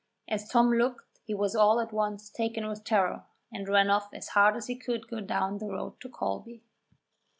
As Tom looked he was all at once taken with terror, and ran off as hard as he could go down the road to Colby.